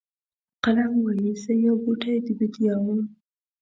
قلم وایي زه یو بوټی د بیدیا وم.